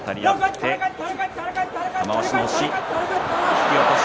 引き落とし